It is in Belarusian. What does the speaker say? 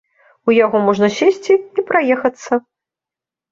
У яго можна сесці і праехацца.